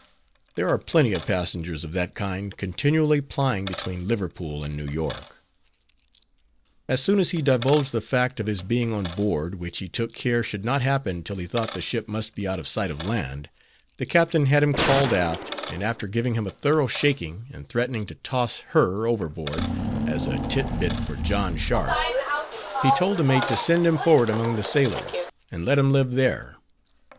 There are plenty of passengers of that kind continually plying between Liverpool and New York. As soon as he divulged the fact of his being on board, which he took care should not happen till he thought the ship must be out of sight of land; the captain had him called aft, and after giving him a thorough shaking, and threatening to toss him overboard as a tit bit for John Shark, he told the mate to send him forward among the sailors, and let him live there.